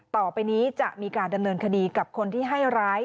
ต่อไปนี้จะมีการดำเนินคดีกับคนที่ให้ร้าย